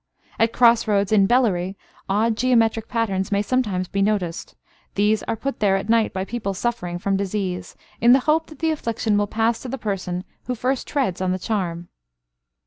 At cross roads in Bellary, odd geometric patterns may sometimes be noticed. These are put there at night by people suffering from disease, in the hope that the affliction will pass to the person who first treads on the charm.